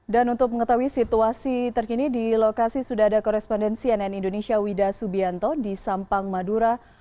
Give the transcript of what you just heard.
dan untuk mengetahui situasi terkini di lokasi sudah ada korespondensi ann indonesia wida subianto di sampang madura